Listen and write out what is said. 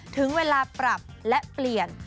ถึงเวลาปรับและเปลี่ยน